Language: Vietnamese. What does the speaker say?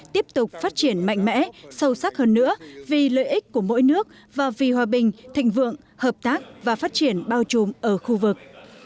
tiếp tục phát triển mạnh mẽ sâu sắc hơn nữa vì lợi ích của mỗi nước và vì hòa bình thịnh vượng hợp tác và phát triển bao trùm ở khu vực